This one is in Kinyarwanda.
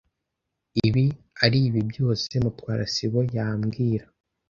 Ibi aribi byose Mutwara sibo ya mbwira.